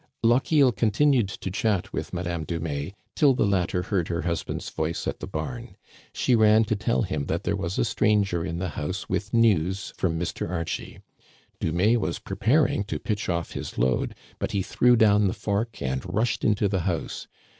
Lochiel continued to chat with Madame Dumais till the latter heard her husband's voice at the barn. She ran to tell him that there was a stranger in the house with news from Mr. Archie. Dumais was preparing to pitch off his load, but he threw down the fork and Digitized by VjOOQIC 2/6 THE CANADIANS OF OLD. rushed into the house.